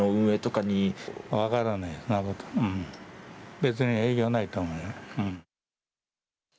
別に影響ないと思うよ。